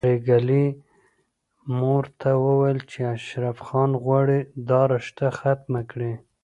پري ګلې مور ته ويل چې اشرف خان غواړي دا رشته ختمه کړي